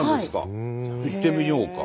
行ってみようか。